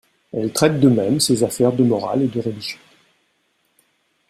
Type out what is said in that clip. Elle traite de même ses affaires de morale et de religion.